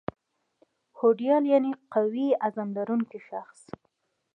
هوډیال یعني قوي عظم لرونکی شخص